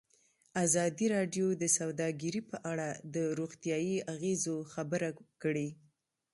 ازادي راډیو د سوداګري په اړه د روغتیایي اغېزو خبره کړې.